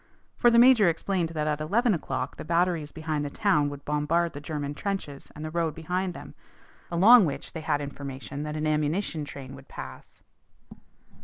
For the major explained that at eleven o'clock the batteries behind the town would bombard the German trenches and the road behind them, along which they had information that an ammunition train would pass.